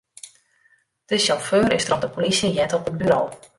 De sjauffeur is troch de polysje heard op it buro.